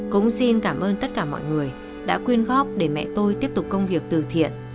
cũng xin cảm ơn tất cả mọi người đã quyên góp để mẹ tôi tiếp tục công việc từ thiện